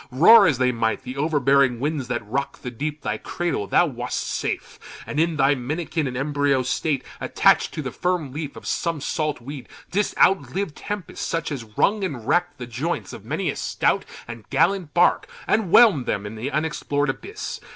Roar as they might, the overbearing winds That rock'd the deep, thy cradle, thou wast safe And in thy minikin and embryo state, Attach'd to the firm leaf of some salt weed, Didst outlive tempests, such as wrung and rack'd The joints of many a stout and gallant bark, And whelm'd them in the unexplor'd abyss.